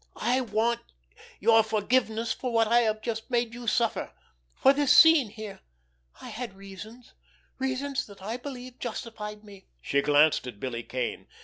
I want your forgiveness for what I have just made you suffer—for this scene here. I had reasons, reasons that I believed justified me." She glanced at Billy Kane.